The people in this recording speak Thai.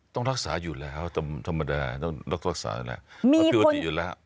ต้องรักษาอยู่แล้วธรรมดาต้องรักษาอยู่แล้ว